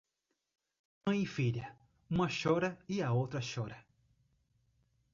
Mãe e filha, uma chora e a outra chora.